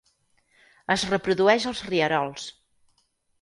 Es reprodueix als rierols.